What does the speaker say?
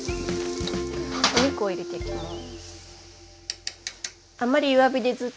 お肉を入れていきます。